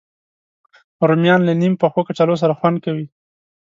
رومیان له نیم پخو کچالو سره خوند کوي